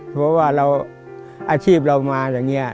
เพราะว่าอาชีพเรามาอย่างนี้